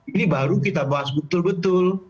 ini baru kita bahas betul betul